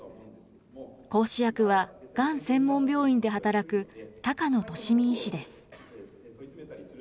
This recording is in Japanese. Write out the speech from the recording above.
講師役は、がん専門病院で働く高野利実医師です。